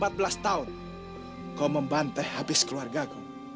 kau membantai habis keluarga kau